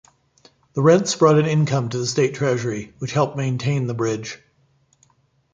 The rents brought an income to the State Treasury, which helped maintain the bridge.